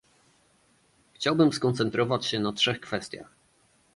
Chciałbym skoncentrować się na trzech kwestiach